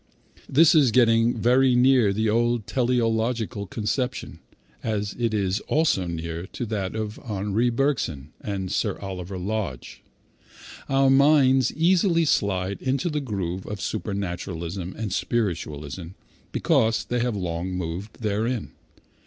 This is getting very near to the old teleological conception, as it is also near to that of Henri Bergson and Sir Oliver Lodge. Our minds easily slide into the groove of supernaturalism and spiritualism because they have long moved therein.